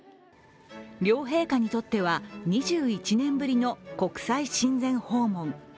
両陛下にとっては２１年ぶりの国際親善訪問。